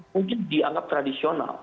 mungkin dianggap tradisional